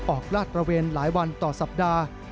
ออกราศประเวณหลายวันต่อสัปดาห์